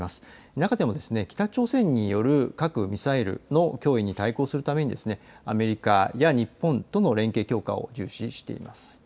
中でも北朝鮮による核・ミサイルの脅威に対抗するためにアメリカや日本との連携強化を重視しています。